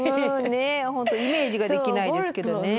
ねえ本当イメージができないですけどね。